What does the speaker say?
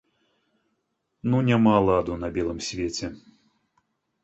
Ну няма ладу на белым свеце!